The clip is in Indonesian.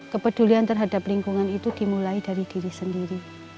kepedulian terhadap lingkungan itu dimulai dari diri sendiri